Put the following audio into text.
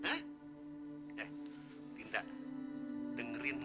nah ini dia nih engkau nggak demen